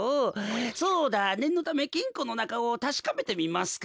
そうだねんのためきんこのなかをたしかめてみますか。